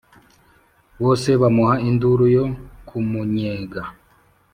bose bamuha induru yo kumunnyega.